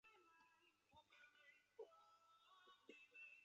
家庭成员赚的钱